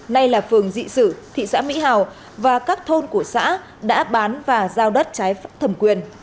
nay là phường dị sử thị xã mỹ hào và các thôn của xã đã bán và giao đất trái pháp thẩm quyền